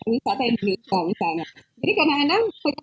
wisata di dunia jadi kadang kadang